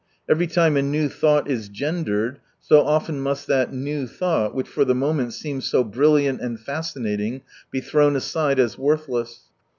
Every time a new thought is gendered, so often must that new thought, which for the moment seems so brilliant and fascinating, be throyra aside as worthless.